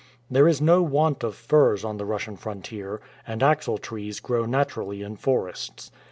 There is no want of firs on the Russian frontier, and axle trees grow naturally in forests.